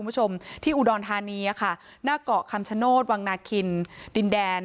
คุณผู้ชมที่อุดรธานีค่ะหน้าเกาะคำชโนธวังนาคินดินแดน